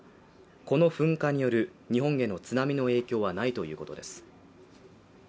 この噴火による、日本への津波の影響はないということです